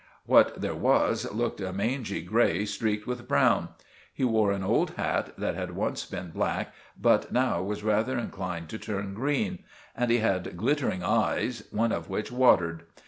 What there was looked a mangy grey streaked with brown. He wore an old hat that had once been black, but was now rather inclined to turn green, and he had glittering eyes, one of which watered.